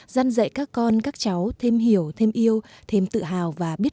dân dạy các con các cháu thêm hiểu thêm yêu thêm tự hào và biết